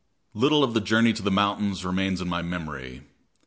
Little of the journey to the mountains remains in my memory.